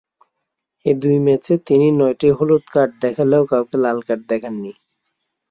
এ দুই ম্যাচে তিনি নয়টি হলুদ কার্ড দেখালেও কাউকে লাল কার্ড দেখাননি।